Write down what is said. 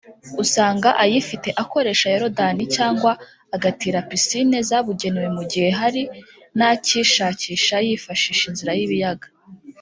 usanga ayifite akoresha Yorodani cyangwa agatira piscine zabugenewe mu gihe hari nakishakisha yifashisha inzira y’ibiyaga